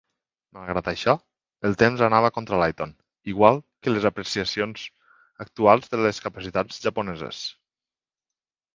Malgrat això, el temps anava contra Layton, igual que les apreciacions actuals de les capacitats japoneses.